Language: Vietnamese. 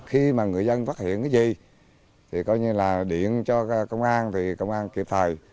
khi mà người dân phát hiện cái gì thì coi như là điện cho công an thì công an kịp thời